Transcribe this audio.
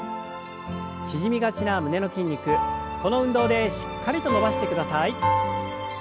縮みがちな胸の筋肉この運動でしっかりと伸ばしてください。